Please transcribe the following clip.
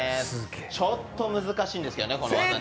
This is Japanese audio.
ちょっと難しいんですけどね、この技ね。